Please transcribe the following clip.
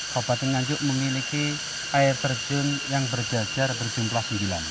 kabupaten nganjuk memiliki air terjun yang berjajar berjumlah sembilan